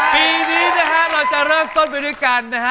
ปีนี้นะฮะเราจะเริ่มต้นไปด้วยกันนะฮะ